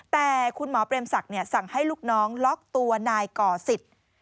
แต่คุณหมอเปรมศักดิ์สั่งให้ลูกน้องล็อกตัวนายก่อสิทธิ์